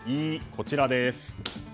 こちらです。